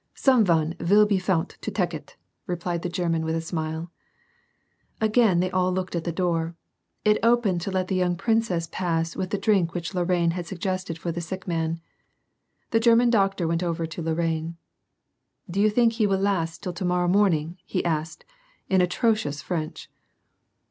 "8ome vun vill be fount to tek it," replied the German, with a smile. Again they all looked at the door; it opened to let the young princess pass with the drink whicli Lorrain had sug j,f«ted fur the sick man. The German doctor went over to Lorrain; "Do you think he will last till to morrow morn ing?'' he asked, in atrocious French.